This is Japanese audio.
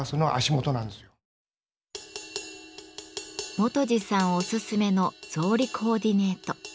泉二さんおすすめの草履コーディネート。